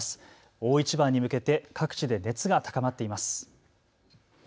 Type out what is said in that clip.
大一番に向けて各地で熱が高まっています。